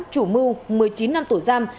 chủ mưu một mươi chín năm tù giam